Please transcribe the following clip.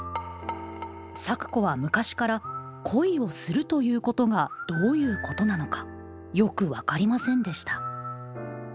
咲子は昔から恋をするということがどういうことなのかよく分かりませんでした。